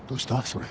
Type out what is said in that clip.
それ。